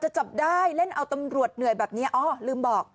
จับได้เล่นเอาตำรวจเหนื่อยแบบนี้อ๋อลืมบอก